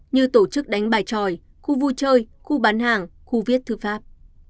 như tổ chức đánh bài tròi khu vui chơi khu bán hàng khu viết thư pháp